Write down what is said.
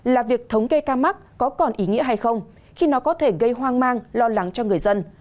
là việc thống kê ca mắc có còn ý nghĩa hay không khi nó có thể gây hoang mang lo lắng cho người dân